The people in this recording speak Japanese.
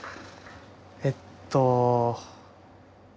えっと。